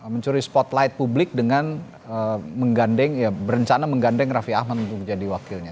mencuri spotlight publik dengan menggandeng ya berencana menggandeng raffi ahmad untuk menjadi wakilnya